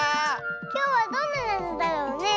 きょうはどんななぞだろうねえ。